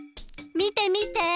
みてみて！